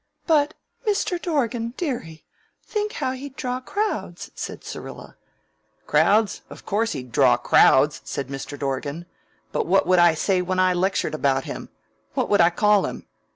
"But, Mr. Dorgan, dearie, think how he'd draw crowds," said Syrilla. "Crowds? Of course he'd draw crowds," said Mr. Dorgan. "But what would I say when I lectured about him? What would I call him?